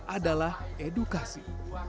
adalah mengadakan edukasi